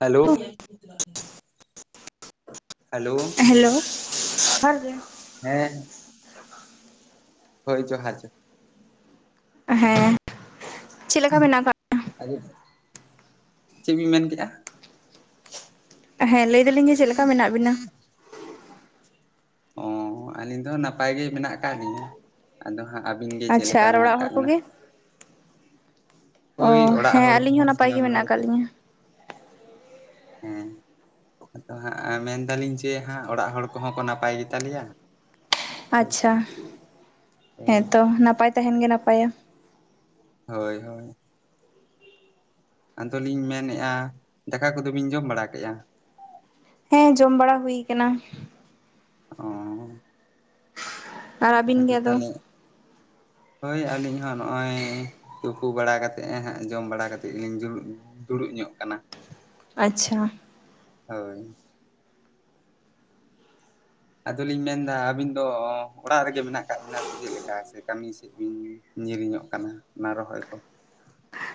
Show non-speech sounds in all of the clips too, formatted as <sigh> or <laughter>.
Hello? Hello hello ᱡᱚᱦᱟᱨ ᱜᱮ᱾ ᱦᱮᱸ ᱦᱳᱭ ᱡᱚᱦᱟᱨ ᱡᱚᱦ ᱦᱮᱸ ᱪᱮᱫ ᱞᱮᱠᱟ ᱢᱮᱱᱟᱜ <inaudible> ᱪᱮᱫ ᱵᱤᱱ ᱢᱮᱱ ᱠᱮᱫ-ᱟ? ᱠᱟᱜ ᱦᱮᱸ ᱞᱟᱹᱭ ᱫᱟᱞᱤᱧ ᱡᱮ ᱪᱮᱫ ᱞᱮᱠᱟ ᱢᱮᱱᱟᱜ ᱵᱤᱱᱟ? ᱚᱸ ᱟᱹᱞᱤᱧ ᱫᱚ ᱱᱟᱯᱟᱭ ᱜᱮ ᱢᱮᱱᱟᱜ ᱟᱠᱟᱫ ᱞᱤᱧᱟᱹ᱾ ᱟᱫᱚ ᱦᱟᱸᱜ ᱟᱹᱵᱤᱱ ᱜᱮ ᱪᱮᱜ ᱟᱪᱪᱷᱟ ᱞᱮᱠᱟ ᱟᱨ ᱢᱮᱱᱟᱜ ᱚᱲᱟᱜ ᱦᱚᱲ ᱠᱟᱜ ᱵᱤᱱᱟ? ᱠᱚᱜᱮ? ᱚ ᱦᱳᱭ ᱚᱲᱟᱜ ᱦᱮᱸ ᱦᱚᱲ ᱟᱹᱞᱤᱧ ᱠᱚᱦᱚᱸ ᱦᱚᱸ ᱱᱟᱯᱟᱭ ᱥᱟᱱᱟᱢ ᱜᱮ ᱢᱮᱱᱟᱜ ᱦᱚᱲ ᱟᱠᱟᱫ ᱠᱚ ᱞᱤᱧᱟᱹ ᱦᱮᱸ᱾ ᱟᱫᱚ ᱦᱟᱸᱜ ᱢᱮᱱ ᱫᱟᱞᱤᱧ ᱡᱮ ᱦᱟᱸᱜ ᱚᱲᱟᱜ ᱦᱚᱲ ᱠᱚᱦᱚᱸ ᱠᱚ ᱱᱟᱯᱟᱭ ᱜᱮᱛᱟ ᱞᱮᱭᱟ᱾ ᱟᱪᱪᱷᱟ ᱦᱮᱸ ᱛᱚ ᱱᱟᱯᱟᱭ ᱛᱟᱦᱸᱮᱱ ᱜᱮ ᱱᱟᱯᱟᱭᱟ᱾ ᱦᱳᱭ ᱦᱳᱭ᱾ ᱟᱫᱚᱞᱤᱧ ᱢᱮᱱᱮᱜ-ᱟ ᱫᱟᱠᱟ ᱠᱚᱫᱚᱵᱤᱱ ᱡᱚᱢ ᱵᱟᱲᱟ ᱠᱮᱜ-ᱟ? ᱦᱮᱸ ᱡᱚᱢ ᱵᱟᱲᱟ ᱦᱩᱭ ᱠᱟᱱᱟ᱾ ᱚᱻ ᱟᱨ ᱟᱹᱵᱤᱱ ᱟᱫᱚ ᱜᱮ ᱛᱟᱦᱚᱸᱞᱮ ᱾ ᱦᱳᱭ ᱟᱹᱞᱤᱧ ᱦᱟᱸᱜ ᱱᱚᱜ-ᱚᱭ ᱛᱩᱯᱩ ᱵᱟᱲᱟ ᱠᱟᱛᱮᱜ ᱦᱟᱸᱜ ᱡᱚᱢ ᱵᱟᱲᱟ ᱠᱟᱛᱮᱫ ᱜᱮᱞᱤᱧ ᱫᱩᱲᱩᱵ ᱫᱩᱲᱩᱵᱽ ᱧᱚᱜ ᱠᱟᱱᱟ᱾ ᱟᱪᱪᱷᱟ, ᱦᱳᱭ, ᱟᱫᱚᱞᱤᱧ ᱢᱮᱱᱫᱟ ᱟᱹᱵᱤᱱ ᱫᱚ ᱚᱲᱟᱜ ᱨᱮᱜᱮ ᱢᱮᱱᱟᱜ ᱠᱟᱜ ᱵᱤᱱᱟ ᱥᱮ ᱪᱮᱫ ᱞᱮᱠᱟ ᱥᱮ ᱠᱟᱹᱢᱤ ᱥᱮ ᱵᱤᱧ ᱧᱤᱨ ᱧᱚᱜ ᱠᱟᱱᱟ ᱚᱱᱟ ᱨᱚᱦᱚᱭ ᱠᱚ᱾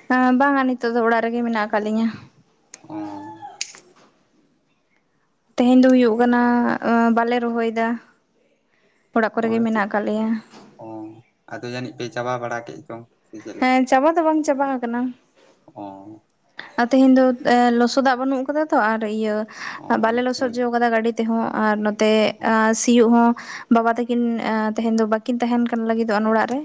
ᱦᱮᱸ ᱵᱟᱝᱟ ᱱᱤᱛᱳᱜ ᱫᱚ ᱚᱲᱟᱜ ᱨᱮᱜᱮ ᱢᱮᱱᱟᱜ ᱠᱟᱜ ᱞᱤᱧᱟ᱾ ᱚᱻ ᱛᱮᱦᱮᱸᱧ ᱫᱚ ᱦᱩᱭᱩᱜ ᱠᱟᱱᱟ ᱵᱟᱞᱮ ᱨᱚᱦᱚᱭᱮᱫᱟ᱾ ᱚᱲᱟᱜ ᱠᱚᱨᱮ ᱚ ᱜᱮ ᱪᱮᱫ ᱢᱮᱱᱟᱜ ᱠᱟᱜ ᱞᱮᱭᱟ᱾ ᱚ ᱟᱫᱚ ᱡᱟᱹᱱᱤᱡ ᱯᱮ ᱪᱟᱵᱟ ᱵᱟᱲᱟ ᱠᱮᱜ ᱪᱚᱝ᱾ ᱥᱮ ᱪᱮᱫ ᱞᱮᱠᱟ ᱦᱮᱸ ᱪᱟᱵᱟ ᱫᱚ ᱵᱟᱝ ᱪᱟᱵᱟ ᱟᱠᱟᱱᱟ᱾ ᱚ᱾ ᱟ ᱛᱮᱦᱮᱧ ᱫᱚ ᱮ ᱞᱚᱥᱚᱫᱟᱜ ᱵᱟᱹᱱᱩᱜ ᱠᱟᱫᱟ ᱛᱚ ᱟᱨ ᱤᱭᱟᱹ ᱚ ᱵᱟᱞᱮ ᱞᱚᱥᱚᱫ ᱦᱳᱭ ᱪᱚ ᱠᱟᱫᱟ ᱜᱟᱹᱰᱤ ᱛᱮᱦᱚᱸ ᱟᱨ ᱱᱚᱛᱮ ᱟ ᱥᱤᱭᱳᱜ ᱦᱚᱸ ᱵᱟᱵᱟ ᱛᱟᱹᱠᱤᱱ ᱮᱸ ᱛᱮᱦᱮᱱ ᱫᱚ ᱵᱟᱹᱠᱤᱱ ᱛᱟᱦᱮᱱ ᱠᱟᱱ ᱞᱟᱹᱜᱤᱫᱚᱜᱼᱟ ᱚᱲᱟᱜ ᱨᱮ᱾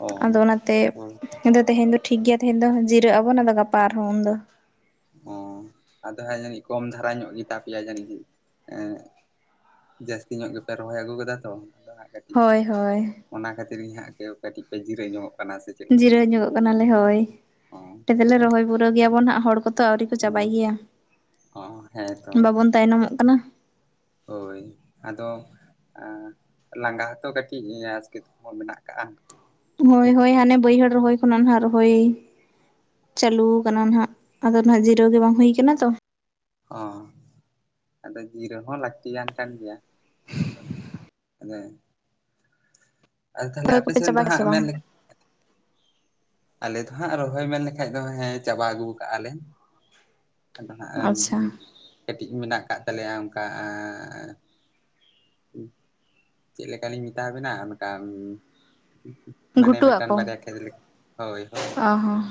ᱚ ᱟᱫᱚ ᱚᱱᱟᱛᱮ ᱦᱳᱭ ᱟᱫᱚ ᱛᱮᱦᱮᱱ ᱫᱚ ᱴᱷᱤᱠ ᱜᱮᱭᱟ ᱛᱮᱦᱮᱱ ᱫᱚ ᱡᱮ <unintelligible> ᱟᱵᱚᱱ ᱟᱫᱚ ᱜᱟᱯᱟ ᱟᱨᱦᱚᱸ ᱩᱱᱫᱚ᱾ ᱚ ᱟᱫᱚ ᱦᱟᱸᱜ ᱡᱟᱹᱱᱤᱡ ᱠᱚᱢ ᱫᱷᱟᱨᱟ ᱧᱚᱜ ᱜᱮᱛᱟ ᱯᱮᱭᱟ ᱡᱟᱹᱱᱤᱡ ᱮᱸᱜ ᱡᱟᱹᱥᱛᱤ ᱧᱚᱜ ᱜᱮᱯᱮ ᱨᱚᱦᱚᱭ ᱟᱹᱜᱩ ᱠᱟᱫᱟ ᱛᱚ ᱚᱱᱟᱫᱚ ᱦᱟᱸᱜ ᱠᱟ ᱦᱳᱭ ᱦᱳᱭ᱾ ᱚᱱᱟ ᱠᱷᱟᱹᱛᱤᱨ ᱜᱮ ᱦᱟᱸᱜ ᱠᱮᱣ ᱠᱟᱹᱴᱤᱡ ᱯᱮ ᱡᱤᱨᱟᱹᱣ ᱧᱚᱜ ᱡᱤᱨᱟᱹᱣ ᱧᱚᱜᱚᱜ ᱠᱟᱱᱟᱞᱮ ᱦᱳᱭ, ᱚ ᱴᱮᱫᱟᱞᱮ ᱦᱳᱭ ᱨᱚᱦᱚᱭ ᱵᱩᱨᱟᱹᱣ ᱜᱮᱭᱟᱵᱚᱱ ᱦᱟᱸᱜ ᱦᱚᱲ ᱠᱚ ᱛᱚ ᱟᱹᱣᱨᱤ ᱠᱚ ᱪᱟᱵᱟᱭ ᱜᱮᱭᱟ, ᱚ ᱦᱮᱸᱛᱚ ᱵᱟᱵᱚᱱ ᱛᱟᱭᱱᱚᱢᱚᱜ ᱠᱟᱱᱟ᱾ ᱦᱳᱭ ᱟᱫᱚ ᱟ ᱞᱟᱸᱜᱟ ᱦᱚᱛᱚ ᱠᱟᱹᱴᱤᱡ ᱟᱥᱠᱮᱛ ᱠᱚᱦᱚᱸ ᱢᱮᱱᱟᱜ ᱠᱟᱜᱼᱟ᱾ ᱦᱳᱭ ᱦᱳᱭ ᱦᱟᱱᱮ ᱵᱟᱹᱭᱦᱟᱹᱲ ᱨᱚᱦᱚᱭ ᱠᱷᱚᱱᱟᱜ ᱱᱟᱦᱟᱜ ᱨᱚᱦᱚᱭ ᱪᱟᱹᱞᱩ ᱠᱟᱱᱟ ᱱᱟᱦᱟᱜ ᱟᱫᱚ ᱱᱟᱦᱟᱜ ᱡᱤᱨᱟᱹᱣ ᱜᱮ ᱵᱟᱝ ᱦᱩᱭ ᱠᱟᱱᱟ ᱛᱚ᱾ ᱚ, ᱟᱫᱚ ᱡᱤᱨᱟᱹᱣ ᱦᱚᱸ ᱞᱟᱹᱠᱛᱤᱭᱟᱱ ᱠᱟᱱ ᱜᱮᱭᱟ, ᱦᱮᱸ ᱥᱮ᱾ ᱟᱫᱚ ᱟᱨ ᱛᱟᱦᱞᱮ ᱨᱚᱦᱚᱭ ᱟᱯᱮ ᱠᱚᱯᱮ ᱥᱮᱱ ᱪᱟᱵᱟ ᱫᱚ ᱠᱮᱫᱟ ᱥᱮ ᱦᱟᱸᱜ ᱵᱟᱝ ᱢᱮᱱ ᱟᱞᱮ ᱫᱚ ᱦᱟᱸᱜ ᱨᱚᱦᱚᱭ ᱢᱮᱱ ᱞᱮᱠᱷᱟᱡ ᱫᱚ ᱦᱮᱸ ᱪᱟᱵᱟ ᱟᱹᱜᱩ ᱠᱟᱜᱼᱟ ᱞᱮ᱾ ᱟᱫᱚ ᱦᱟᱸᱜ ᱦᱩᱸ ᱟᱪᱪᱷᱟ ᱠᱟᱹᱴᱤᱡ ᱢᱮᱱᱟᱜ ᱠᱟᱜ ᱛᱟᱞᱮᱭᱟ ᱚᱝᱠᱟ ᱟᱻ ᱪᱮᱜ ᱞᱮᱠᱟᱞᱤᱧ ᱢᱮᱛᱟᱣᱟᱵᱮᱱᱟ ᱚᱱᱠᱟ ᱩᱸ ᱢᱟᱱᱮ ᱜᱷᱩᱴᱩᱣᱟᱜ ᱢᱮᱫᱴᱟᱱ ᱠᱚ ᱵᱟᱨᱮᱭᱟ ᱠᱷᱮᱛ ᱞᱮ ᱚ ᱦᱚᱸ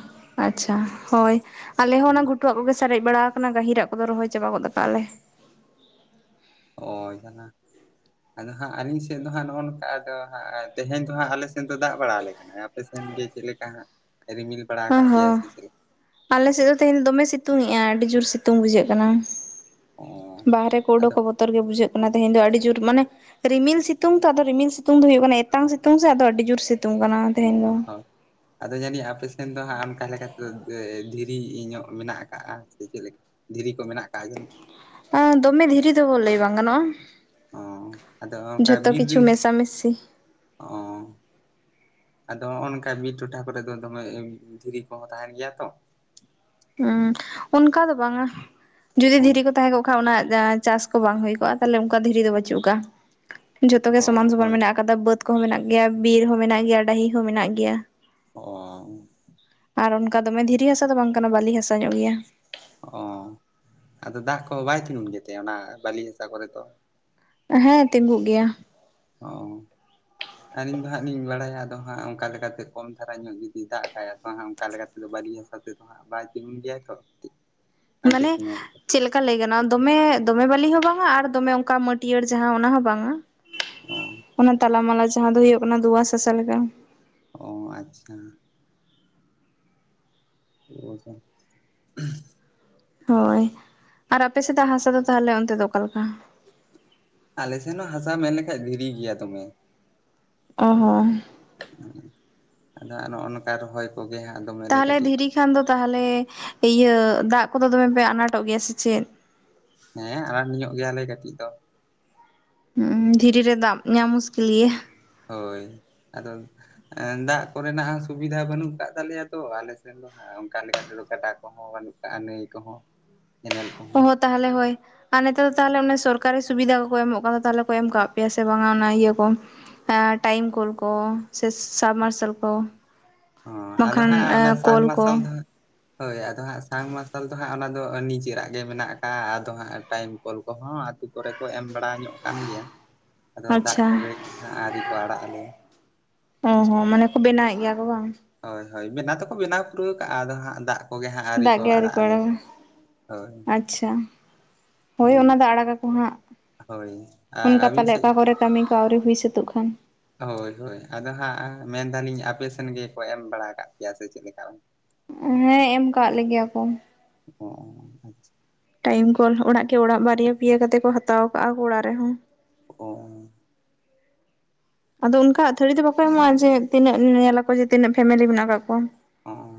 ᱟᱪᱪᱷᱟ ᱦᱳᱭ, ᱟᱞᱮ ᱦᱚᱸ ᱦᱮᱸ ᱚᱱᱟ ᱜᱷᱩ ᱴᱩᱣᱟᱜ ᱠᱚᱜᱮ ᱥᱟᱨᱮᱡ ᱵᱟᱲᱟᱣ ᱠᱟᱱᱟ ᱜᱟᱹᱦᱤᱨᱟᱜ ᱠᱚᱫᱚ ᱨᱚᱦᱚᱭ ᱪᱟᱵᱟ ᱜᱚᱫ ᱠᱟᱜᱼᱟ ᱞᱮ᱾ ᱚ‌ ᱡᱟᱞᱟ᱾ ᱟᱫᱚ ᱦᱟᱸᱜ ᱟᱹᱞᱤᱧ ᱥᱮᱫ ᱫᱚ ᱦᱟᱸᱜ ᱱᱚᱜᱼᱚ ᱱᱚᱝᱠᱟ ᱟᱫᱚ ᱦᱟᱸᱜ ᱛᱮᱦᱮᱧ ᱫᱚ ᱦᱟᱸᱜ ᱟᱞᱮ ᱥᱮᱱ ᱫᱚ ᱫᱟᱜ ᱵᱟᱲᱟᱣ ᱟᱞᱮ ᱠᱟᱱᱟᱭ ᱟ ᱟᱯᱮ ᱥᱮᱱ ᱜᱮ ᱪᱮᱪ ᱞᱮᱠᱟ ᱦᱟᱸᱜ ᱨᱤᱢᱤᱞ ᱵᱟᱲᱟ ᱚ ᱟᱠᱟᱫ ᱯᱮᱭᱟᱭ ᱦᱚᱸ ᱥᱮ ᱪᱮᱫ ᱞᱮᱠᱟ ᱟᱞᱮ ᱥᱮᱫ ᱫᱚ ᱛᱮᱦᱮᱧ ᱫᱚ ᱫᱚᱢᱮ ᱥᱤᱛᱩᱝᱮᱜᱼᱟ ᱟᱹᱰᱤ ᱡᱳᱨ ᱥᱤᱛᱩᱝ ᱵᱩᱡᱷᱟᱹᱜ ᱠᱟᱱᱟ᱾ ᱚ ᱵᱟᱦᱨᱮ ᱠᱚ ᱟᱫᱚ ᱳᱰᱚᱠᱚᱜ ᱵᱚ ᱛᱚᱨ ᱜᱮ ᱵᱩᱡᱷᱟᱹᱜ ᱠᱟᱱᱟ ᱛᱮᱦᱮᱧ ᱫᱚ ᱟᱹᱰᱤ ᱡᱳᱨ ᱢᱟᱱᱮ ᱨᱤᱢᱤᱞ ᱥᱤᱛᱩᱝ ᱛᱚ ᱟᱫᱚ ᱨᱤᱢᱤᱞ ᱥᱤᱛᱩᱝ ᱫᱚ ᱦᱩᱭᱩᱜ ᱠᱟᱱᱟ ᱮᱛᱟᱝ ᱥᱤᱛᱩᱝ ᱥᱮ ᱟᱫᱚ ᱟᱹᱰᱤ ᱡᱳᱨ ᱥᱤᱛᱩᱝ ᱠᱟᱱᱟ ᱛᱮᱦᱮᱧ ᱫᱚ᱾ ᱚ ᱦᱳᱭ ᱟᱫᱚ ᱡᱟᱹᱱᱤᱡ ᱟᱯᱮ ᱥᱮᱱ ᱫᱚ ᱦᱟᱸᱜ ᱟᱱᱠᱟ ᱞᱮᱠᱟ ᱛᱮᱫᱚ ᱮ ᱫᱷᱤᱨᱤ ᱧᱚᱜ ᱢᱮᱱᱟᱜ ᱟᱠᱟᱜᱼᱟ ᱥᱮ ᱪᱮᱫ ᱞᱮᱠᱟ? ᱫᱷᱤᱨᱤ ᱠᱚ ᱢᱮᱱᱟᱜ ᱠᱟᱜᱼᱟ ᱡᱟᱹᱱᱤᱡ? ᱮᱸ ᱫᱚᱢᱮ ᱫᱷᱤᱨᱤ ᱫᱚ ᱞᱟᱹᱭ ᱵᱟᱝ ᱜᱟᱱᱚᱜᱼᱟ᱾ ᱚ ᱟᱫᱚ ᱚᱱᱠᱟ ᱡᱷᱚᱛᱚ ᱵᱤᱨ ᱠᱤᱪᱷᱩ ᱵᱤᱨ, ᱢᱮᱥᱟᱢᱤᱥᱤ ᱚ᱾ ᱟᱫᱚ ᱦᱚᱸᱜᱼᱚ ᱱᱚᱝᱠᱟ ᱵᱤᱨ ᱴᱚᱴᱷᱟ ᱠᱚᱨᱮ ᱫᱚᱢᱮ ᱫᱷᱤᱨᱤ ᱠᱚᱦᱚᱸ ᱛᱟᱦᱮᱸᱱ ᱜᱮᱭᱟ ᱛᱚ᱾ ᱦᱩᱸ ᱚᱱᱠᱟ ᱫᱚ ᱵᱟᱝᱟ, ᱡᱩᱫᱤ ᱚ ᱫᱷᱤᱨᱤ ᱠᱚ ᱛᱟᱦᱮᱸ ᱠᱚᱜ ᱠᱷᱟᱡ ᱚᱱᱟ ᱡᱟᱦᱟᱸ ᱪᱟᱥ ᱠᱚ ᱵᱟᱝ ᱦᱩᱭ ᱠᱚᱜᱼᱟ, ᱛᱟᱞᱦᱮ ᱚᱱᱠᱟ ᱫᱷᱤᱨᱤ ᱫᱚ ᱵᱟᱹᱪᱩᱜ ᱠᱟᱜᱼᱟ᱾ ᱡᱷᱚᱛᱚ ᱜᱮ ᱚ ᱥᱚᱢᱟᱱ ᱥᱚᱢᱟᱱ ᱦᱳᱭ ᱢᱮᱱᱟᱜ ᱟᱠᱟᱫᱟ, ᱵᱟᱹᱫᱽ ᱠᱚᱦᱚᱸ ᱢᱮᱱᱟᱜ ᱜᱮᱭᱟ ᱵᱤᱨ ᱦᱚᱸ ᱢᱮᱱᱟᱜ ᱜᱮᱭᱟ ᱰᱟᱹᱦᱤ ᱦᱚᱸ ᱢᱮᱱᱟᱜ ᱜᱮᱭᱟ᱾ ᱚ᱾ ᱟᱨ ᱚᱱᱠᱟ ᱫᱚᱢᱮ ᱫᱷᱤᱨᱤ ᱦᱟᱥᱟ ᱫᱚ ᱵᱟᱝ ᱠᱟᱱᱟ ᱵᱟᱞᱤ ᱦᱟᱥᱟ ᱧᱚᱜ ᱜᱮᱭᱟ᱾ ᱚ ᱟᱫᱚ ᱫᱟᱜ ᱠᱚ ᱵᱟᱭ ᱛᱤᱸᱜᱩᱱ ᱜᱮᱛᱮ ᱚᱱᱟ ᱵᱟᱹᱞᱤ ᱦᱟᱥᱟ ᱠᱚᱨᱮ ᱫᱚ? ᱦᱮᱸ ᱛᱤᱸᱜᱩᱜ ᱜᱮᱭᱟ᱾ ᱚᱻ ᱟᱨ ᱟᱹᱞᱤᱧ ᱫᱚ ᱦᱟᱸᱜ ᱞᱤᱧ ᱵᱟᱲᱟᱭᱟ, ᱟᱫᱚ ᱦᱟᱸᱜ ᱚᱱᱠᱟ ᱞᱮᱠᱟᱛᱮ ᱠᱚᱢ ᱫᱷᱟᱨᱟ ᱧᱚᱜ ᱡᱩᱫᱤ ᱫᱟᱜ ᱠᱷᱟᱭ ᱟᱫᱚ ᱦᱟᱸᱜ ᱟᱱᱠᱟ ᱞᱮᱠᱟ ᱛᱮᱫᱚ ᱵᱟᱹᱞᱤ ᱦᱟᱥᱟ ᱛᱮᱫᱚ ᱵᱟᱭ ᱛᱤᱜᱩᱱ ᱜᱮᱭᱟᱭ ᱛᱚ ᱟᱸᱡᱮᱫ ᱢᱟᱱᱮ ᱧᱚᱜ ᱪᱮᱫ ᱞᱮᱠ ᱪᱮᱫ ᱠᱟ ᱞᱟᱹᱭ ᱜᱟᱱᱚᱜᱼᱟ ᱫᱚᱢᱮ ᱫᱚᱢᱮ ᱵᱟᱹᱞᱤ ᱦᱚᱸ ᱵᱟᱝᱟ ᱟᱨ ᱫᱚᱢᱮ ᱚᱱᱠᱟ ᱢᱟᱹᱴᱭᱟᱹᱲ ᱡᱟᱦᱟᱸ ᱚᱱᱟ ᱦᱚᱸ ᱵᱟᱝᱟ᱾ ᱚ᱾ ᱚᱱᱟ ᱛᱟᱞᱟᱢᱟᱞᱟ ᱡᱟᱦᱟᱸ ᱫᱚ ᱦᱩᱭᱩᱜ ᱠᱟᱱᱟ ᱫᱩᱭᱟᱥ ᱦᱟᱥᱟ ᱞᱮᱠᱟ᱾ ᱚ ᱟᱪᱪᱷᱟ, ᱚ ᱟᱪᱪᱷᱟ, ᱦᱳᱭ ᱟᱨ ᱟᱯᱮ ᱥᱮᱫᱟᱜ ᱦᱟᱥᱟ ᱫᱚ ᱛᱟᱦᱚᱞᱮ ᱚᱱᱛᱮ ᱫᱚ ᱚᱠᱟ ᱞᱮᱠᱟ? ᱟᱞᱮ ᱥᱮᱱ ᱦᱚᱸ ᱦᱟᱥᱟ ᱢᱮᱱ ᱞᱮᱠᱷᱟᱡ ᱫᱷᱤᱨᱤ ᱜᱮᱭᱟ ᱫᱚᱢᱮ᱾ ᱚ ᱦᱚᱸ᱾ ᱟᱫᱚ ᱱᱚᱜᱼᱚ ᱱᱚᱝᱠᱟ ᱨᱚᱦᱚᱭ ᱠᱚᱜᱮ ᱦᱟᱸᱜ ᱫᱚᱢᱮ ᱛᱟᱦᱚᱞᱮ ᱫᱷᱤᱨᱤ ᱠᱷᱟᱱ ᱫᱚ ᱛᱟᱦᱚᱞᱮ ᱤᱭᱟᱹ ᱫᱟᱜ ᱠᱚᱫᱚ ᱫᱚᱢᱮ ᱯᱮ ᱟᱱᱟᱴᱚᱜ ᱜᱮᱭᱟ ᱥᱮ ᱪᱮᱫ? ᱦᱮᱸ ᱟᱱᱟᱴ ᱧᱚᱜ ᱜᱮᱭᱟ ᱞᱮ ᱠᱟᱹᱴᱤᱡ ᱫᱚ᱾ ᱫᱷᱤᱨᱤ ᱨᱮ ᱫᱟᱜ ᱧᱟᱢ ᱢᱩᱥᱠᱤᱞ ᱜᱮᱭᱟ᱾ ᱦᱳᱭ, ᱟᱫᱚ ᱫᱟᱜ ᱠᱚᱨᱮᱱᱟᱜ ᱦᱚᱸ ᱥᱩᱵᱤᱫᱷᱟ ᱵᱟᱹᱱᱩᱜ ᱟᱠᱟᱫ ᱛᱟᱞᱮᱭᱟ ᱛᱚ ᱟᱞᱮ ᱥᱮᱱ ᱫᱚ ᱦᱟᱸᱜ, ᱚᱱᱠᱟ ᱞᱮᱠᱟ ᱛᱮᱫᱚ ᱜᱟᱰᱟ ᱠᱚᱦᱚᱸ ᱵᱟᱹᱱᱩᱜ ᱠᱟᱜᱼᱟ ᱱᱟᱹᱭ ᱠᱚᱦᱚᱸ ᱠᱮᱱᱮᱞ ᱚ ᱠᱚᱦᱚᱸ ᱦᱚᱸ ᱛᱟᱦᱚᱞᱮ ᱦᱳᱭ᱾ ᱟᱨ ᱱᱮᱛᱟᱨ ᱫᱚ ᱛᱟᱦᱚᱞᱮ ᱚᱱᱮ ᱥᱚᱨᱠᱟᱨᱤ ᱥᱩᱵᱤᱫᱷᱟ ᱠᱚᱠᱚ ᱮᱢᱚᱜ ᱠᱟᱱ ᱫᱚ ᱛᱟᱦᱚᱞᱮ ᱠᱚ ᱮᱢ ᱠᱟᱜ ᱯᱮᱭᱟ ᱥᱮ ᱵᱟᱝᱟ, ᱚᱱᱟ ᱤᱭᱟᱹ ᱠᱚ? ᱴᱟᱭᱤᱢ ᱠᱚᱞ ᱠᱚ ᱥᱮ ᱥᱟᱵᱢᱟᱨᱥᱟᱞ ᱠᱚ᱾ ᱚ ᱟᱫᱚ ᱵᱟᱝᱠᱷᱟᱱ ᱦᱟᱸᱜ ᱚᱱᱟ ᱠᱚᱞ ᱠᱚ ᱥᱟᱵᱢᱟᱨᱥᱟᱞ ᱫᱚ ᱦᱟᱸᱜ, ᱦᱳᱭ ᱟᱫᱚ ᱦᱟᱸᱜ ᱥᱟᱨᱢᱟᱨᱥᱟᱞ ᱫᱚ ᱦᱟᱸᱜ ᱚᱱᱟ ᱫᱚ ᱱᱤᱡᱮᱨᱟᱜ ᱜᱮ ᱢᱮᱱᱟᱜ ᱟᱠᱟᱜᱼᱟ, ᱟᱫᱚ ᱦᱟᱸᱜ ᱴᱟᱭᱤᱢ ᱠᱚᱞ ᱠᱚᱦᱚᱸ ᱟᱹᱛᱩ ᱠᱚᱨᱮ ᱠᱚ ᱮᱢ ᱵᱟᱲᱟ ᱧᱚᱜ ᱠᱟᱱ ᱜᱮᱭᱟ᱾ ᱟᱫᱚ ᱫᱟᱜ ᱟᱪᱪᱷᱟ ᱠᱚᱜᱮ ᱜᱮ ᱦᱟᱸᱜ ᱟᱹᱣᱨᱤ ᱠᱚ ᱟᱲᱟᱜ ᱟᱞᱮᱭᱟ᱾ ᱦᱳᱭ, ᱵᱮᱱᱟᱣᱮᱜ ᱜᱮᱭᱟ ᱠᱚ᱾ ᱚ ᱵᱟᱝ᱾ ᱦᱳᱭ ᱦᱳᱭ ᱵᱮᱱᱟ ᱫᱚᱠᱚ ᱵᱮᱱᱟᱣ ᱯᱩᱨᱟᱹᱣ ᱠᱟᱜᱼᱟ, ᱟᱫᱚ ᱦᱟᱸᱜ ᱫᱟᱜ ᱠᱚᱜᱮ ᱦᱟᱸᱜ ᱫᱟᱜ ᱜᱮ ᱟᱹᱣᱨᱤ ᱟᱲᱟᱜ ᱠᱚ ᱟᱞᱮ ᱟᱲᱟᱜᱟ ᱦᱳᱭ ᱾ᱟᱪᱪᱷᱟ᱾ ᱦᱳᱭ ᱦᱩᱸ ᱚᱱᱟ ᱫᱚ ᱟᱲᱟᱜ ᱜᱟᱠᱚ ᱦᱟᱸᱜ, ᱦᱳᱭ ᱚᱱᱠᱟ ᱟᱹᱵᱤᱱ ᱯᱟᱞᱮ ᱥᱮᱫ ᱚᱠᱟ ᱠᱚᱨᱮ ᱠᱟᱹᱢᱤ ᱠᱚ ᱟᱹᱣᱨᱤ ᱦᱩᱭ ᱥᱟᱹᱛᱚᱜ ᱠᱷᱟᱱ᱾ ᱦᱳᱭ ᱦᱳᱭ ᱟᱫᱚ ᱦᱟᱸᱜ ᱢᱮᱱᱫᱟᱹᱞᱤᱧ ᱟᱯᱮ ᱥᱮᱱ ᱜᱮᱠᱚ ᱮᱢ ᱵᱟᱲᱟ ᱟᱠᱟᱫ ᱯᱮᱭᱟ ᱥᱮ ᱪᱮᱫ ᱞᱮᱠᱟ? ᱦᱮᱸ ᱮᱢ ᱠᱟᱜ ᱞᱮ ᱜᱮᱭᱟ ᱠᱚ᱾ ᱚ ᱟᱪᱪᱷᱟ, ᱴᱟᱭᱤᱢ ᱠᱚᱞ ᱚᱲᱟᱜ ᱠᱮ ᱚᱲᱟᱜ ᱵᱟᱨᱭᱟ ᱯᱤᱭᱟ ᱠᱟᱛᱮ ᱠᱚ ᱦᱟᱛᱟᱣ ᱟᱠᱟᱜ-ᱟ ᱠᱚ ᱚᱲᱟᱜ ᱨᱮᱦᱚᱸ᱾ ᱚᱻ ᱟᱫᱚ ᱚᱱᱠᱟ ᱟᱹᱛᱷᱟᱹᱨᱤ ᱫᱚ ᱵᱟᱠᱚ ᱮᱢᱚᱜᱼᱟ ᱡᱮ ᱛᱤᱱᱟᱹᱜ ᱧᱮᱞᱟ ᱠᱚ ᱡᱮ ᱛᱤᱱᱟᱹᱜ ᱯᱷᱮᱢᱮᱞᱤ ᱢᱮᱱᱟᱜ ᱠᱟᱜ ᱠᱚᱣᱟ᱾ ᱚᱸᱻ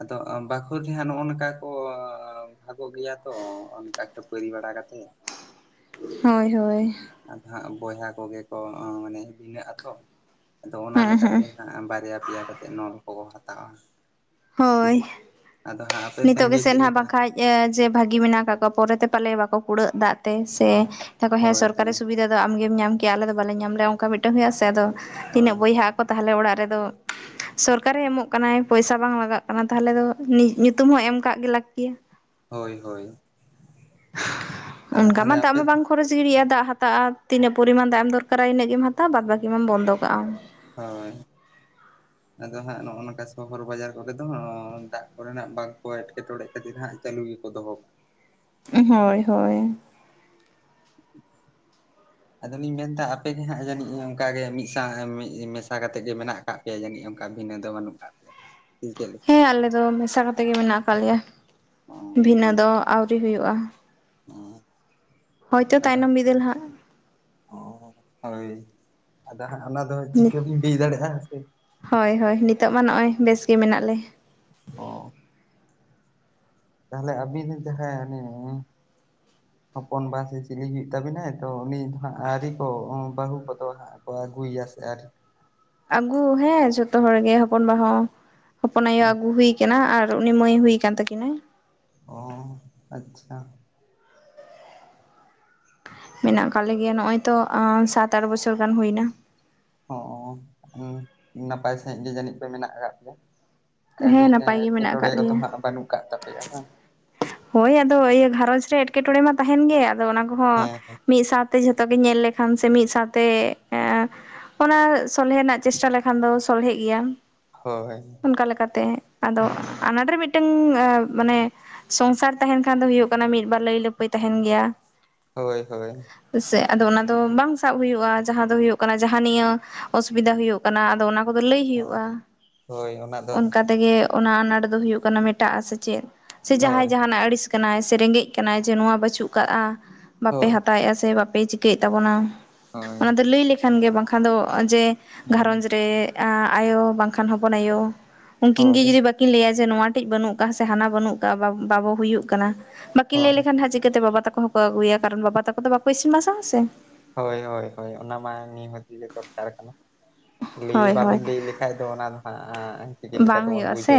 ᱟᱫᱚ ᱵᱟᱠᱷᱳ ᱛᱟᱦᱮᱸᱱ ᱦᱚᱸᱜᱼᱚ ᱱᱚᱝᱠᱟ ᱠᱚ ᱵᱷᱟᱜᱚᱜ ᱜᱮᱭᱟ ᱛᱚ ᱚᱱᱠᱟ ᱠᱷᱟᱹᱯᱟᱹᱨᱤ ᱵᱟᱲᱟ ᱠᱟᱛᱮ᱾ ᱦᱳᱭ ᱦᱳᱭ᱾ ᱟᱫᱚ ᱦᱟᱸᱜ ᱵᱚᱭᱦᱟ ᱠᱚᱜᱮ ᱠᱚ ᱢᱟᱱᱮ ᱵᱷᱤᱱᱟᱹᱜ ᱟᱛᱚ, ᱟᱫᱚ ᱚᱱᱟ ᱦᱮᱸ ᱦᱮᱸ ᱞᱮᱠᱟᱛᱮ ᱦᱟᱸᱜ ᱵᱟᱨᱭᱟ ᱯᱤᱭᱟ ᱠᱟᱛᱮᱫ ᱱᱚᱞ ᱠᱚᱠᱚ ᱦᱟᱛᱟᱣᱟ᱾ ᱦᱳᱭ ᱟᱫᱚ ᱦᱟᱸᱜ ᱟᱯᱮ ᱥᱮᱱ ᱱᱤᱛᱚᱜ ᱜᱮ ᱜᱮᱥᱮ ᱪᱮᱫ ᱱᱟᱦᱟᱜ ᱞᱮᱠᱟ? ᱵᱟᱝᱠᱷᱟᱡ ᱡᱮ ᱵᱷᱟᱜᱤ ᱢᱮᱱᱟᱜ ᱠᱟᱜ ᱠᱚᱣᱟ ᱯᱚᱨᱮᱛᱮ ᱯᱟᱞᱮ ᱵᱟᱠᱚ ᱠᱩᱲᱟᱹᱜ ᱫᱟᱜ ᱛᱮ ᱥᱮ ᱦᱮ ᱦᱳᱭ ᱥᱚᱨᱠᱟᱨᱤ ᱦᱳᱭ ᱥᱩᱵᱤᱫᱟ ᱟᱫᱚ ᱟᱢᱜᱮᱢ ᱧᱟᱢ ᱠᱮᱜ-ᱟ ᱟᱞᱮ ᱫᱚ ᱵᱟᱞᱮ ᱧᱟᱢ ᱞᱮ-ᱟ ᱚᱱᱠᱟ ᱢᱤᱫᱴᱮᱱ ᱦᱩᱭᱩᱜ-ᱟ ᱥᱮ, ᱟᱫᱚ ᱛᱤᱱᱟᱹᱜ ᱦᱳᱭ ᱵᱚᱭᱦᱟ ᱛᱟᱦᱚᱞᱮ ᱚᱲᱟᱜ ᱨᱮᱫᱚ ᱥᱚᱨᱠᱟᱨᱮ ᱮᱢᱚᱜ ᱠᱟᱱᱟᱭ ᱯᱚᱭᱥᱟ ᱵᱟᱝ ᱞᱟᱜᱟᱜ ᱠᱟᱱᱟ ᱛᱟᱦᱚᱞᱮ ᱫᱚ ᱧᱩᱛᱩᱢ ᱦᱚᱸ ᱮᱢ ᱠᱟᱜ ᱜᱮ ᱞᱟᱹᱠᱛᱤᱤᱭᱟ ᱾ ᱦᱳᱭ ᱦᱳᱭ ᱾ ᱚᱱᱠᱟ ᱢᱟ ᱫᱟᱜ ᱢᱟ ᱵᱟᱝ ᱠᱷᱚᱨᱚᱪ ᱜᱤᱰᱤᱜ-ᱟ ᱫᱟᱜ ᱦᱟᱛᱟᱜ-ᱟ ᱛᱤᱱᱟᱹᱜ ᱯᱚᱨᱤᱢᱟᱱ ᱫᱟᱜ ᱮᱢ ᱫᱚᱨᱠᱟᱨᱟ ᱤᱱᱟᱹᱜ ᱜᱮᱢ ᱦᱟᱛᱟᱣᱟ ᱵᱟᱫ ᱵᱟᱹᱠᱤ ᱢᱟᱢ ᱵᱚᱱᱫᱚ ᱠᱟᱜ-ᱟ᱾ ᱦᱳᱭ ᱾ ᱟᱫᱚ ᱦᱟᱸᱜ ᱱᱚᱜᱼᱚ ᱱᱚᱝᱠᱟ ᱟᱫᱚ ᱦᱟᱸᱜ ᱱᱚ ᱱᱚᱝᱠᱟ ᱥᱚᱦᱚᱨ ᱵᱟᱡᱟᱨ ᱠᱚᱨᱮ ᱫᱚ ᱫᱟᱜ ᱠᱚᱨᱮᱱᱟᱜ ᱵᱟᱝ ᱠᱚ ᱮᱴᱠᱮᱴᱚᱬᱮ ᱠᱷᱟᱹᱛᱤᱨ ᱦᱟᱸᱜ ᱪᱟᱹᱞᱩ ᱜᱮᱠᱚ ᱫᱚᱦᱚ ᱠᱟᱜ-ᱟ ᱾ ᱦᱳᱭ ᱦᱳᱭ ᱾ <unintelligible> ᱟᱫᱚ ᱞᱤᱧ ᱢᱮᱱ ᱫᱟ ᱟᱯᱮ ᱜᱮ ᱦᱟᱸᱜ ᱡᱟᱹᱱᱤᱡ ᱚᱱᱠᱟᱜᱮ ᱢᱤᱫ ᱥᱟᱶ ᱢᱮᱥᱟ ᱠᱟᱛᱮᱫ ᱜᱮ ᱢᱮᱱᱟᱜ ᱠᱟᱜ ᱯᱮᱭᱟ ᱡᱟᱹᱱᱤᱡ ᱚᱱᱠᱟ ᱵᱷᱤᱤᱱᱹ ᱫᱚ ᱵᱟᱹᱱᱩᱜ ᱠᱟᱜ ᱯᱮᱭᱟ᱾ ᱥᱮ ᱪᱮᱫ ᱞᱮᱠᱟ ᱦᱮᱸ ᱟᱞᱮ ᱫᱚ ᱢᱮᱥᱟ ᱠᱟᱛᱮ ᱜᱮ ᱢᱮᱱᱟᱜ ᱟᱠᱟᱜ ᱞᱮᱭᱟ, ᱚ ᱵᱷᱤᱱᱟᱹ ᱦᱳᱭ ᱫᱚ ᱟᱣᱨᱤ ᱦᱩᱭᱩᱜ-ᱟ᱾ <unintelligible> ᱦᱳᱭᱛᱚ ᱛᱟᱭᱱᱚᱢ ᱵᱤᱫᱟᱹᱞ ᱦᱟᱸᱜ ᱚᱸ ᱦᱳᱭ ᱟᱫᱚ ᱦᱟᱸᱜ ᱚᱱᱟ ᱫᱚ ᱪᱤᱠᱟᱹ ᱵᱤᱱ ᱞᱟᱹᱭ ᱫᱟᱲᱮᱭᱟᱜ-ᱟ ᱥᱮ᱾ ᱦᱳᱭ ᱦᱳᱭ ᱱᱤᱛᱚᱜ ᱢᱟ ᱱᱚᱼᱚᱭ ᱵᱮᱥ ᱜᱮ ᱢᱮᱱᱟᱜ ᱞᱮ᱾ <unintelligible> ᱛᱟᱦᱚᱞᱮ ᱟᱹᱵᱤᱱ ᱡᱟᱦᱟᱸᱭ <inaudible> ᱦᱚᱯᱚᱱ ᱵᱟ ᱥᱮ ᱪᱤᱞᱤ ᱦᱩᱭᱩᱜ ᱛᱟᱵᱤᱱᱟᱭ ᱛᱚ ᱩᱱᱤ ᱦᱟᱸᱜ ᱟᱹᱣᱨᱤ ᱠᱚ ᱵᱟᱹᱦᱩ ᱠᱚᱫᱚ ᱦᱟᱸᱜ ᱠᱚ ᱟᱹᱜᱩᱭᱭᱟ ᱥᱮ ᱟᱹᱣᱨᱤ ᱟᱹᱜᱩ ᱦᱮᱸ ᱡᱚᱛᱚ ᱦᱚᱲ ᱜᱮ ᱦᱚᱯᱚᱱ ᱵᱟ ᱦᱚᱸ ᱦᱚᱯᱚᱱ ᱟᱭᱳ ᱟᱹᱜᱩ ᱦᱩᱭ ᱦᱩᱭ ᱠᱟᱱᱟ ᱟᱨ ᱩᱱᱤ ᱢᱟᱹᱭ ᱦᱩᱭ ᱠᱟᱱ ᱛᱟᱹᱠᱤᱱᱟᱹᱭ ᱾ ᱚᱻ ᱟᱪᱪᱷᱟ ᱾ ᱢᱮᱱᱟᱜ ᱟᱠᱟᱫ ᱞᱮ ᱜᱮᱭᱟ ᱱᱚ ᱚᱭ ᱛᱚ ᱥᱟᱛ ᱟᱴ ᱵᱚᱪᱷᱚᱨ ᱜᱟᱱ ᱦᱩᱭᱱᱟ᱾ ᱚᱸ ᱚᱸ ᱱᱟᱯᱟᱭ ᱥᱟᱦᱤᱡ ᱜᱤ ᱡᱟᱹᱱᱤᱡ ᱯᱮ ᱢᱮᱱᱟᱜ ᱟᱠᱟᱫ ᱯᱮ᱾ ᱦᱮᱸ ᱠᱟᱹᱴᱤᱡ ᱱᱟᱯᱟᱭ ᱜᱮ ᱢᱮᱱᱟᱜ ᱮᱴᱠᱮᱴᱚᱬᱮ ᱟᱠᱟᱫ ᱠᱚᱫᱚ ᱞᱮᱭᱟ᱾ ᱦᱟᱸᱜ ᱵᱟᱹᱱᱩᱜ ᱠᱟᱜ ᱛᱟᱯᱮᱭᱟ ᱵᱟᱝ? ᱦᱳᱭ ᱟᱫᱚ ᱤᱭᱟᱹ ᱜᱷᱟᱨᱚᱚᱸᱡᱽ ᱨᱮ ᱮᱴᱠᱮᱴᱚᱲᱮ ᱢᱟ ᱛᱟᱦᱮᱱ ᱜᱮ ᱟᱫᱚ ᱚᱱᱟ ᱠᱚᱦᱚᱸ ᱦᱮᱸ ᱢᱤᱫ ᱥᱟᱣ ᱛᱮ ᱡᱷᱚᱛᱚ ᱜᱮ ᱧᱮᱞ ᱞᱮᱠᱷᱟᱱ ᱥᱮ ᱢᱤᱫ ᱥᱟᱶᱛᱮ ᱚᱱᱟ ᱥᱚᱞᱦᱮ ᱨᱮᱱᱟᱜ ᱪᱮᱥᱴᱟ ᱞᱮᱠᱷᱟᱱ ᱫᱚ ᱥᱚᱞᱦᱮ ᱜᱮᱭᱟ᱾ ᱦᱳᱭ ᱾ ᱚᱱᱠᱟ ᱞᱮᱠᱟᱛᱮ, ᱟᱫᱚ ᱟᱱᱟᱴᱨᱮ ᱢᱤᱫᱴᱟᱝ ᱢᱟᱱᱮ ᱥᱚᱝᱥᱟᱨ ᱛᱟᱦᱮᱱ ᱠᱷᱟᱱ ᱫᱚ ᱦᱩᱭᱩᱜ ᱠᱟᱱᱟ ᱢᱤᱫ ᱵᱟᱨ ᱞᱟᱹᱭ ᱞᱟᱹᱯᱟᱹᱭ ᱛᱟᱦᱮᱱ ᱜᱮᱭᱟ᱾ ᱦᱳᱭ ᱦᱳᱭ ᱾ ᱦᱳᱭᱥᱮ ᱟᱫᱚ ᱚᱱᱟ ᱫᱚ ᱵᱟᱝ ᱥᱟᱵ ᱦᱩᱭᱩᱜ-ᱟ ᱡᱟᱦᱟᱸ ᱫᱚ ᱦᱩᱭᱩᱜ ᱠᱟᱱᱟ ᱡᱟᱦᱟᱸ ᱱᱤᱭᱟᱹ ᱚᱥᱩᱵᱤᱫᱟ ᱦᱩᱭᱩᱜ ᱠᱟᱱᱟ ᱟᱫᱚ ᱚᱱᱟ ᱠᱚᱫᱚ ᱞᱟᱹᱭ ᱦᱩᱭᱩᱜᱼᱟ, ᱦᱳᱭ ᱚᱱᱟ ᱫᱚ ᱚᱱᱠᱟ ᱛᱮᱜᱮ ᱚᱱᱟ ᱟᱱᱟᱴ ᱫᱚ ᱦᱩᱭᱩᱜ ᱠᱟᱱᱟ ᱢᱮᱴᱟᱜ-ᱟ ᱥᱮᱪᱮᱫ, ᱥᱮ ᱡᱟᱦᱟᱸᱭ ᱦᱳᱭ ᱡᱟᱦᱟᱱᱟᱜ ᱟᱹᱲᱤᱥ ᱠᱟᱱᱟᱭ ᱥᱮ ᱨᱮᱸᱜᱮᱡ ᱠᱟᱱᱟᱭ ᱡᱮ ᱱᱚᱣᱟ ᱵᱟᱹᱪᱩᱜ ᱠᱟᱜᱼᱟ, ᱵᱟᱯᱮ ᱦᱳᱭ ᱦᱟᱛᱟᱣᱮᱫᱼᱟ ᱥᱮ ᱵᱟᱯᱮ ᱪᱤᱠ ᱴᱤᱠᱟᱹᱭ ᱛᱟᱵᱚᱱᱟ ᱚᱱᱟ ᱦᱳᱭ ᱫᱚ ᱞᱟᱹᱭ ᱞᱮᱠᱷᱟᱱ ᱜᱮ ᱵᱟᱝᱠᱷᱟᱱ ᱫᱚ ᱡᱮ ᱜᱷᱟᱨᱚᱡᱽ ᱨᱮ ᱟᱭᱳ ᱵᱟᱝᱠᱷᱟᱱ ᱦᱚᱯᱚᱱ ᱟᱭᱳ ᱩᱱᱠᱤᱱ ᱜᱮ ᱦᱳᱭ ᱡᱩᱫᱤ ᱵᱟᱠᱤ ᱠᱤᱱ ᱞᱟᱹᱭᱟ ᱡᱮ ᱱᱚᱣᱟ ᱴᱤᱡ ᱵᱟᱹᱱᱩᱜ ᱠᱟᱜᱼᱟ ᱥᱮ ᱦᱟᱱᱟ ᱵᱟᱹᱱᱩᱜ ᱠᱟᱜᱼᱟ ᱵᱟᱵᱚ ᱦᱩᱭᱩᱜ ᱠᱟᱱᱟ ᱾ ᱵᱟᱠᱤᱱ ᱞᱟᱹᱭ ᱦᱳᱭ ᱞᱮᱠᱷᱟᱱ ᱦᱟᱸᱜ ᱪᱤᱠᱟᱹᱛᱮ ᱵᱟᱵᱟ ᱛᱟᱠᱚ ᱦᱚᱸᱠᱚ ᱟᱹᱜᱩᱭᱟ ᱠᱟᱨᱚᱱ ᱵᱟᱵᱟ ᱛᱟᱠᱚ ᱫᱚ ᱵᱟᱠᱚ ᱤᱥᱤᱱ ᱵᱟᱥᱟ ᱟᱥᱮ ᱾ ᱦᱳᱭ ᱦᱳᱭ ᱦᱳᱭ ᱚᱱᱟ ᱢᱟ ᱱᱤᱦᱟᱹᱛ ᱜᱮ ᱫᱚᱨᱠᱟᱨ ᱠᱟᱱᱟ ᱞᱟᱹᱭ ᱦᱳᱭ ᱦᱳᱭ ᱵᱟᱵᱤᱱ ᱞᱟᱹᱭ ᱞᱮᱠᱷᱟ <unintelligible> ᱵᱟᱝ ᱦᱩᱭᱩᱜ-ᱟ ᱥᱮ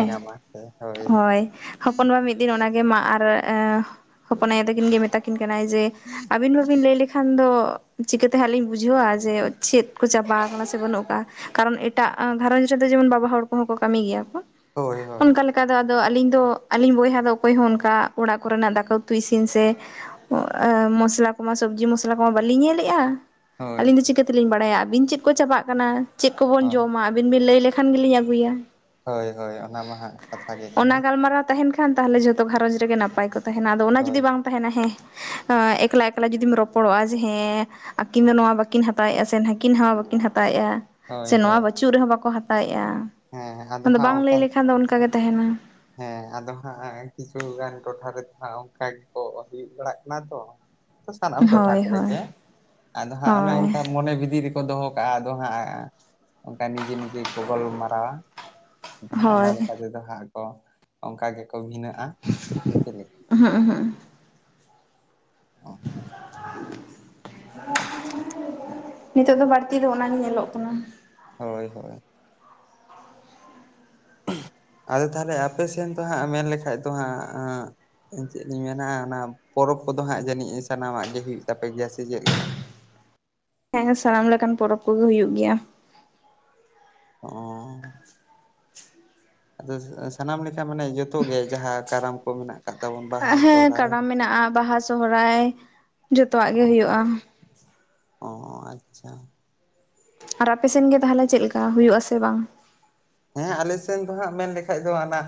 ᱦᱳᱭ ᱦᱚᱯᱚᱱᱵᱟ ᱢᱤᱫ ᱫᱤᱱ ᱚᱱᱟᱜᱮ <unintelligible> ᱦᱚᱯᱚᱱ ᱟᱭᱳ ᱛᱟᱹᱠᱤᱱ ᱜᱮ ᱢᱮᱛᱟᱠᱤᱱ ᱠᱟᱱᱟᱭ ᱡᱮ ᱟᱹᱵᱤᱱ ᱵᱟᱵᱤᱱ ᱞᱟᱹᱭ ᱞᱮᱠᱷᱟᱱ ᱫᱚ ᱪᱤᱠᱟᱹᱛᱮ ᱦᱟᱸᱜ ᱞᱤᱧ ᱵᱩᱡᱷᱟᱹᱣᱟ ᱡᱮ ᱪᱮᱫ ᱠᱚ ᱪᱟᱵᱟ ᱟᱠᱟᱱᱟ ᱥᱮ ᱵᱟᱹᱱᱩᱜ ᱟᱠᱟᱜᱼᱟ᱾ ᱠᱟᱨᱚᱱ ᱮᱴᱟᱜ ᱜᱷᱟᱨᱚᱧᱡᱽ ᱨᱮᱫᱚ ᱡᱮᱢᱚᱱ ᱵᱟᱵᱟ ᱦᱚᱲ ᱠᱚᱦᱚᱸ ᱠᱚ ᱠᱟᱹᱢᱤ ᱜᱮᱭᱟ ᱠᱚ ᱦᱳᱭ ᱦᱳᱭ ᱚᱱᱠᱟ ᱞᱮᱠᱟ ᱫᱚ ᱟᱫᱚ ᱟᱹᱞᱤᱧ ᱫᱚ ᱟᱞᱤᱧ ᱵᱚᱭᱦᱟ ᱫᱚ ᱚᱠᱚᱭ ᱦᱚᱸ ᱚᱱᱠᱟ ᱚᱲᱟᱜ ᱠᱚᱨᱮᱱᱟᱜ ᱫᱟᱠᱟ ᱩᱛᱩ ᱤᱥᱤᱱ ᱥᱮ ᱢᱚᱥᱞᱟ ᱠᱚᱢᱟ ᱥᱚᱵᱽᱡᱤ ᱢᱚᱥᱞᱟ ᱠᱚᱢᱟ ᱵᱟᱹᱞᱤᱧ ᱧᱮᱞ ᱮᱜᱼᱟ᱾ ᱦᱳᱭ ᱟᱹᱞᱤᱧ ᱫᱚ ᱪᱤᱠᱟᱹ ᱛᱮᱞᱤᱧ ᱵᱟᱲᱟᱭᱟ ᱟᱹᱵᱤᱱ ᱪᱮᱫ ᱠᱚ ᱪᱟᱵᱟᱜ ᱠᱟᱱᱟ ᱪᱮᱫ ᱠᱚᱵᱚᱱ ᱦᱳᱭ ᱡᱚᱢᱟ ᱟᱹᱵᱤᱱ ᱵᱤᱱ ᱞᱟᱹᱭ ᱞᱮᱠᱷᱟᱱ ᱜᱮᱞᱤᱧ ᱟᱹᱜᱩᱭᱟ ᱦᱳᱭ ᱦᱳᱭ ᱚᱱᱟ ᱢᱟ ᱦᱟᱸᱜ ᱠᱟᱛᱷᱟᱜ ᱜᱮ ᱠᱟᱱᱟ᱾ ᱚᱱᱟ ᱜᱟᱞᱢᱟᱨᱟᱣ ᱛᱟᱦᱮᱱ ᱠᱷᱟᱱ ᱛᱟᱦᱚᱞᱮ ᱡᱷᱚᱛᱚ ᱜᱷᱟᱨᱚᱸᱡᱽ ᱨᱮᱜᱮ ᱱᱟᱯᱟᱭ ᱠᱚ ᱛᱟᱦᱮᱱᱟ ᱟᱫᱚ ᱚᱱᱟ ᱦᱳᱭ ᱡᱩᱫᱤ ᱵᱟᱝ ᱛᱟᱦᱮᱱᱟ ᱦᱮᱸ ᱮᱠᱞᱟ ᱮᱠᱞᱟ ᱡᱩᱫᱤᱢ ᱨᱚᱯᱚᱲᱚᱜ-ᱟ ᱡᱮ ᱦᱮᱸ ᱟᱹᱠᱤᱱ ᱫᱚ ᱱᱚᱣᱟ ᱵᱟᱹᱠᱤᱱ ᱦᱟᱛᱟᱣᱮᱜ-ᱟ ᱥᱮ ᱱᱟᱹᱠᱤᱱ ᱱᱚᱣᱟ ᱵᱟᱹᱠᱤᱱ ᱦᱟᱛᱟᱣᱮᱜ-ᱟ᱾ ᱦᱳᱭ ᱥᱮ ᱦᱳᱭ ᱱᱚᱣᱟ ᱵᱟᱹᱪᱩᱜ ᱨᱮᱦᱚᱸ ᱵᱟᱠᱚ ᱦᱟᱛᱟᱣᱮᱜ-ᱟ᱾ ᱦᱮᱸ ᱟᱫᱚ ᱦᱟᱸᱜ ᱵᱟᱝ ᱞᱟᱹᱭ ᱚᱱᱠᱟᱱ ᱞᱮᱠᱷᱟᱱ ᱫᱚ ᱚᱱᱠᱟ ᱜᱮ ᱛᱟᱦᱮᱱᱟ᱾ ᱦᱮᱸ ᱟᱫᱚ ᱦᱟᱸᱜ ᱠᱤᱪᱷᱩᱜᱟᱱ ᱴᱚᱴᱷᱟ ᱨᱮᱫᱚ ᱦᱟᱸᱜ ᱚᱱᱠᱟ ᱜᱮᱠᱚ ᱦᱩᱭᱩᱜ ᱵᱟᱲᱟᱜ ᱠᱟᱱᱟ ᱛᱚ ᱥᱟᱱᱟᱢ ᱴᱚᱴᱷᱟ ᱦᱳᱭ ᱦᱳᱭ ᱠᱚᱨᱮᱜᱮ ᱟᱫᱚ ᱦᱟᱸᱜ ᱚᱱᱮ ᱦᱳᱭ ᱚᱱᱠᱟ ᱢᱚᱱᱮ <unintelligible> ᱠᱚ ᱫᱚᱦᱚ ᱠᱟᱜ-ᱟ ᱟᱫᱚ ᱦᱟᱸᱜ ᱚᱱᱠᱟ ᱱᱤᱡᱮ ᱱᱤᱡᱮ ᱠᱚ ᱜᱚᱞᱢᱟᱨᱟᱣᱟ᱾ ᱦᱟᱸᱜ ᱚᱱᱟ ᱦᱳᱭ ᱞᱮᱠᱟ ᱛᱮᱫᱚ ᱦᱟᱸᱜ ᱠᱚ ᱚᱱᱠᱟ ᱜᱮᱠᱚ ᱵᱷᱤᱱᱟᱹᱜ-ᱟ ᱥᱮ ᱪᱮᱫ ᱞᱮᱠᱮ? ᱦᱩᱸ ᱦᱩᱸ <inaudible> ᱟᱪᱪᱷᱟ ᱱᱤᱛᱳᱜ ᱫᱚ ᱵᱟᱹᱲᱛᱤ ᱫᱚ ᱚᱱᱟᱜᱮ ᱧᱮᱞᱚᱜ ᱠᱟᱱᱟ᱾ ᱦᱳᱭ ᱦᱳᱭ ᱟᱫᱚ ᱛᱟᱦᱚᱞᱮ ᱟᱯᱮ ᱥᱮᱱ ᱫᱚ ᱦᱟᱸᱜ ᱢᱮᱱ ᱞᱮᱠᱷᱟ ᱫᱚ ᱦᱟᱸᱜ ᱪᱮᱫ ᱞᱤᱧ ᱢᱮᱱᱟ ᱚᱱᱟ ᱯᱚᱨᱚᱵᱽ ᱠᱚᱫᱚ ᱦᱟᱸᱜ ᱡᱟᱹᱱᱤᱡ ᱥᱟᱱᱟᱢᱟᱜ ᱜᱮ ᱦᱩᱭᱩᱜ ᱛᱟᱯᱮ ᱜᱮᱭᱟ ᱥᱮ ᱪᱮᱫ ᱞᱮᱠᱟ? ᱦᱮᱸ ᱥᱟᱱᱟᱢ ᱞᱮᱠᱟᱱ ᱯᱚᱨᱚᱵᱽ ᱠᱚᱜᱮ ᱦᱩᱭᱩᱜ ᱜᱮᱭᱟ᱾ ᱚᱸ <inaudible> ᱟᱫᱚ ᱥᱟᱱᱟᱢ ᱞᱮᱠᱟ ᱢᱟᱱᱮ ᱡᱚᱛᱚ ᱜᱮ ᱡᱟᱦᱟᱸ ᱠᱟᱨᱟᱢ ᱠᱚ ᱢᱮᱱᱟᱜ ᱠᱟᱜ ᱛᱟᱵᱚᱱ ᱵᱟᱦᱟ, ᱦᱮᱸ ᱥᱚᱨᱦᱟᱭ? ᱠᱟᱰᱟ ᱢᱮᱱᱟᱜᱼᱟ ᱵᱟᱦᱟ ᱥᱚᱦᱨᱟᱭ ᱡᱚᱛᱚᱣᱟᱜ ᱜᱮ ᱦᱩᱭᱩᱜ-ᱟ᱾ ᱚᱸ ᱟᱪᱪᱷᱟ ᱟᱨ ᱟᱯᱮᱥᱮᱱ ᱜᱮ ᱛᱟᱦᱚᱞᱮ ᱪᱮᱫ ᱞᱮᱠᱟ ᱦᱩᱭᱩᱜ-ᱟ ᱥᱮ ᱵᱟᱝ? ᱦᱮᱸ ᱟᱞᱮ ᱥᱮᱱ ᱫᱚ ᱦᱟᱸᱜ ᱢᱮᱱ ᱞᱮᱠᱷᱟᱡ ᱫᱚ ᱦᱟᱱᱟ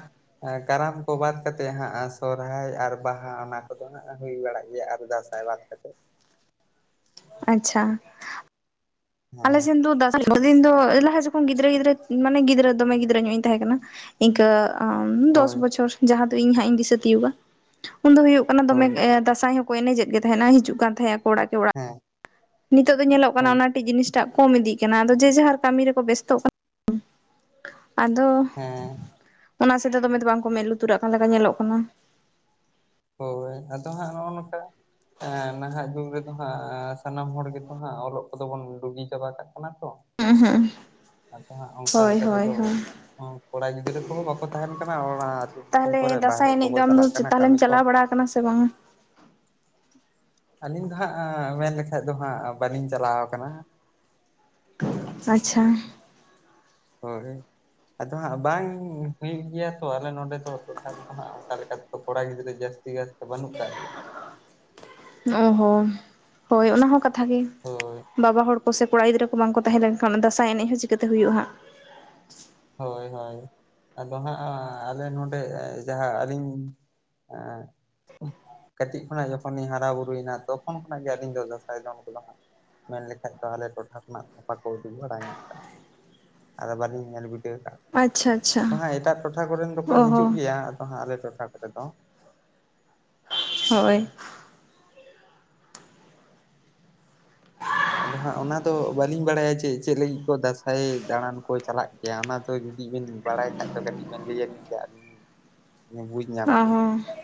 ᱠᱟᱨᱟᱢ ᱠᱚ ᱵᱟᱫ ᱠᱟᱛᱮᱫ ᱦᱟᱸᱜ ᱥᱚᱨᱦᱟᱭ ᱟᱨ ᱵᱟᱦᱟ ᱚᱱᱟ ᱠᱚᱫᱚ ᱦᱟᱸᱜ ᱦᱩᱭ ᱵᱟᱲᱟᱜ ᱜᱮᱭᱟ ᱟᱨ <unintelligible> ᱵᱟᱛ ᱠᱟᱛᱮ ᱟᱪᱪᱷᱟ ᱟᱞᱮ ᱦᱮᱸ ᱥᱮᱱᱫᱚ ᱫᱟᱥ ᱫᱤᱱ ᱫᱚ ᱞᱟᱦᱟ ᱡᱚᱠᱷᱚᱱ ᱜᱤᱫᱽᱨᱟᱹ ᱜᱤᱫᱽᱨᱟᱹ ᱢᱟᱱᱮ ᱜᱤᱫᱽᱨᱟᱹ ᱫᱚᱢᱮ ᱜᱤᱫᱽᱨᱟᱹ ᱧᱚᱜ ᱤᱧ ᱛᱟᱦᱮᱸ ᱠᱟᱱᱟ ᱤᱱᱠᱟᱹ ᱫᱚᱥ ᱦᱳᱭ ᱵᱚᱪᱷᱚᱨ ᱡᱟᱦᱟᱸ ᱫᱚ ᱤᱧ ᱦᱟᱸᱜ ᱤᱧ ᱫᱤᱥᱟᱹ ᱛᱤᱭᱩᱜᱟ ᱩᱱ ᱫᱚ ᱦᱩᱭᱩᱜ ᱠᱟᱱᱟ ᱫᱚᱢᱮ ᱦᱳᱭ ᱫᱟᱸᱥᱟᱭ ᱠᱚ ᱮᱱᱮᱡᱮᱜ ᱜᱮ ᱛᱟᱦᱮᱸᱱᱟ ᱦᱤᱡᱩᱜ ᱠᱟᱱ ᱛᱟᱦᱮᱸᱜ ᱟᱠᱚ ᱚᱲᱟᱜ ᱠᱮ ᱚᱲᱟᱜ ᱦᱮᱸ ᱱᱤᱛᱚᱜ ᱫᱚ ᱧᱮᱞᱚᱜ ᱠᱟᱱᱟ ᱦᱳᱭ ᱚᱱᱟᱴᱤᱡ ᱡᱤᱱᱤᱥ ᱴᱟᱜ ᱠᱚᱢ ᱤᱫᱤᱜ ᱠᱟᱱᱟ ᱟᱫᱚ ᱡᱮ ᱡᱟᱦᱟᱨ ᱠᱟᱹᱢᱤ ᱨᱮᱠᱚ ᱵᱮᱥᱛᱚᱜ ᱠᱟᱱᱟ ᱟᱫᱚ ᱦᱮᱸ ᱚᱱᱟ ᱥᱮᱫ ᱫᱚ ᱫᱚᱢᱮ ᱫᱚ ᱵᱟᱝ ᱠᱚ ᱢᱮᱸᱫ ᱞᱩᱛᱩᱨᱟᱜ ᱠᱟᱱ ᱞᱮᱠᱟ ᱧᱮᱞᱚᱜ ᱠᱟᱱᱟ᱾ ᱦᱳᱭ ᱟᱫᱚ ᱦᱟᱸᱜ ᱱᱚᱜᱼᱚ ᱱᱚᱝᱠᱟ ᱮᱸ ᱱᱟᱦᱟᱜ ᱡᱩᱜᱽ ᱨᱮᱫᱚ ᱦᱟᱸᱜ ᱥᱟᱱᱟᱢ ᱦᱚᱲ ᱜᱮᱛᱚ ᱦᱟᱸᱜ ᱚᱞᱚᱜ ᱠᱚᱫᱚ ᱵᱚᱱ ᱰᱩᱜᱤ ᱪᱟᱵᱟ ᱠᱟᱜ ᱠᱟᱱᱟ ᱛᱚ᱾ ᱦᱩᱸ ᱦᱩᱸ ᱟᱫᱚ ᱦᱟᱸᱜ ᱚᱱᱠᱟ ᱦᱳᱭ ᱞᱮᱠᱟ ᱛᱮᱫᱚ ᱦᱳᱭ ᱦᱳᱭ ᱦᱩᱸ ᱠᱚᱲᱟ ᱜᱤᱫᱽᱨᱟᱹ ᱠᱚᱦᱚᱸ ᱵᱟᱠᱚ ᱛᱟᱦᱮᱱ ᱠᱟᱱᱟ ᱚᱱᱟ ᱟᱹᱛᱩ ᱫᱤᱥᱚᱢ ᱛᱟᱦᱚᱞᱮ ᱠᱚᱨᱮ ᱫᱟᱥᱟᱭ ᱵᱟᱦᱨᱮ ᱮᱱᱮᱡ ᱠᱚᱠᱚ ᱫᱚ ᱟᱢᱫᱚᱢ ᱪᱟᱞᱟᱜ ᱠᱟᱱᱟ ᱛᱟᱦᱚᱞᱮᱢ ᱠᱟᱹᱢᱤ ᱠᱚ ᱪᱟᱞᱟᱣ ᱵᱟᱲᱟ ᱠᱟᱱᱟᱢ ᱥᱮ ᱵᱟᱝᱟ? ᱟᱹᱞᱤᱧ ᱫᱚ ᱦᱟᱸᱜ ᱟ ᱢᱮᱱ ᱞᱮᱠᱷᱟᱡ ᱫᱚ ᱦᱟᱸᱜ ᱵᱟᱹᱞᱤᱧ ᱪᱟᱞᱟᱣ ᱟᱠᱟᱱᱟ᱾ ᱟᱪᱪᱷᱟ᱾ ᱦᱳᱭ ᱟᱫᱚ ᱦᱟᱸᱜ ᱵᱟᱝ ᱦᱩᱭᱩᱜ ᱜᱮᱭᱟ ᱛᱚ ᱟᱞᱮ ᱱᱚᱰᱮ ᱫᱚ ᱴᱚᱴᱷᱟ ᱨᱮᱫᱚ ᱦᱟᱸᱜ ᱚᱱᱠᱟ ᱞᱮᱠᱟ ᱫ ᱠᱚᱲᱟ ᱜᱤᱫᱽᱨᱟᱹ ᱡᱟᱹᱥᱛᱤᱠᱟᱭ ᱛᱮ ᱵᱟᱹᱱᱩᱜ ᱟᱠᱟᱫ ᱞᱮᱭᱟ᱾ ᱚ ᱦᱚᱸ ᱦᱳᱭ ᱚᱱᱟ ᱦᱚᱸ ᱠᱟᱛᱷᱟ ᱜᱮ ᱦᱳᱭ ᱵᱟᱵᱟ ᱦᱚᱲ ᱠᱚ ᱥᱮ ᱠᱚᱲᱟ ᱜᱤᱫᱽᱨᱟᱹ ᱠᱚ ᱵᱟᱝ ᱠᱚ ᱛᱟᱦᱮᱸ ᱞᱮᱱ ᱠᱷᱟᱱ ᱚᱱᱟ ᱫᱟᱥᱟᱸᱭ ᱮᱱᱮᱡ ᱦᱚᱸ ᱪᱤᱠᱟᱹᱛᱮ ᱦᱩᱭᱩᱜ-ᱟ ᱦᱟᱸᱜ᱾ ᱦᱳᱭ ᱦᱳᱭ ᱟᱫᱚ ᱦᱟᱸᱜ ᱟ ᱟᱞᱮ ᱱᱚᱰᱮ ᱡᱟᱦᱟᱸ ᱟᱹᱞᱤᱧ <unintelligible> ᱠᱟᱹᱴᱤᱡ ᱠᱷᱚᱱᱟᱜ ᱡᱚᱠᱷᱚᱱ ᱞᱤᱧ ᱦᱟᱨᱟ ᱵᱩᱨᱩᱭᱮᱱᱟ ᱛᱚᱠᱷᱚᱱ ᱠᱷᱚᱱᱟᱜ ᱜᱮ ᱟᱹᱞᱤᱧ ᱫᱚ ᱫᱟᱸᱥᱟᱭ ᱫᱚᱱ ᱠᱚᱫᱚ ᱦᱟᱸᱜ ᱢᱮᱱ ᱞᱮᱠᱷᱟᱡ ᱫᱚ ᱟᱞᱮ ᱴᱚᱴᱷᱟ ᱠᱷᱚᱱᱟᱜ ᱛᱷᱟᱯᱷᱟ ᱠᱚ ᱩᱰᱩᱠ ᱵᱟᱲᱟ ᱧᱚᱜ ᱠᱟᱱᱟ ᱟᱫᱚ ᱵᱟᱹᱞᱤᱧ ᱧᱮᱞ ᱵᱤᱰ ᱰᱟᱹᱣ ᱠᱟᱫ ᱠᱚᱣᱟ᱾ ᱟᱪᱪᱷᱟ ᱟᱪᱪᱷᱟ ᱟᱫᱚ ᱦᱟᱸᱜ ᱮᱴᱟᱜ ᱴᱚᱴᱷᱟ ᱠᱚᱨᱮᱱ ᱫᱚᱠᱚ ᱚ ᱦᱤᱡᱩᱜ ᱦᱚᱸ ᱜᱮᱭᱟ ᱟᱫᱚ ᱦᱟᱸᱜ ᱟᱞᱮ ᱴᱚᱴᱷᱟ ᱠᱚᱨᱮ ᱫᱚ ᱦᱳᱭ᱾ ᱟᱫᱚ ᱦᱟᱸᱜ ᱚᱱᱟ ᱫᱚ ᱵᱟᱹᱞᱤᱧ ᱵᱟᱲᱟᱭᱟ ᱪᱮᱫ, ᱪᱮᱫ ᱞᱟᱹᱜᱤᱫ ᱠᱚ ᱫᱟᱸᱥᱟᱭ ᱫᱟᱬᱟᱱ ᱠᱚ ᱪᱟᱞᱟᱜ ᱠᱮᱭᱟ ᱚᱱᱟ ᱫᱚ ᱡᱩᱫᱤ ᱵᱤᱱ ᱵᱟᱲᱟᱭ ᱠᱷᱟᱡ ᱫᱚ ᱠᱟᱹᱴᱤᱡ ᱵᱮᱱ ᱞᱟᱹᱭᱟᱞᱤᱧ ᱠᱮᱭᱟ ᱟᱞᱤᱧ ᱞᱤᱧ ᱵᱩᱡᱽ ᱧᱟᱢ ᱚ ᱠᱮᱭᱟ᱾ ᱦᱚᱸ